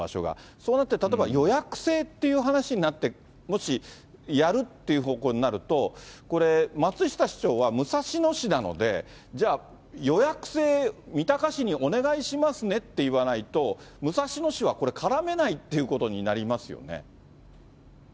そうなって、例えば予約制という話になって、もしやるっていう方向になると、松下市長は武蔵野市なので、じゃあ、予約制、三鷹市にお願いしますねって言わないと、武蔵野市はこれ、絡めないということになりますよね。